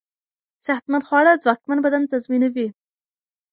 صحتمند خواړه ځواکمن بدن تضمينوي.